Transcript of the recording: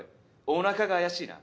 おなかが怪しいな。